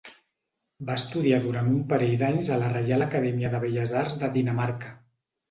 Va estudiar durant un parell d'anys a la Reial Acadèmia de Belles Arts de Dinamarca.